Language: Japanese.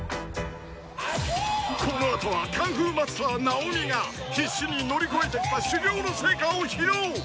［この後はカンフーマスター直美が必死に乗り越えてきた修行の成果を披露］